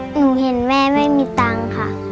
หนูเห็นแม่ไม่มีตังค่ะ